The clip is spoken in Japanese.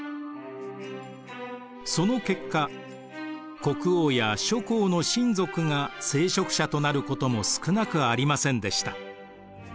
その結果国王や諸侯の親族が聖職者となることも少なくありませんでした。